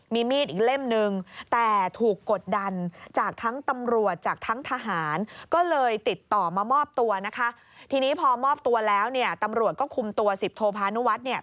มีมีดอีกเล่มนึง